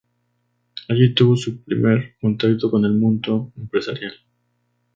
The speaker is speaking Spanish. Allí tuvo su primer contacto con el mundo empresarial.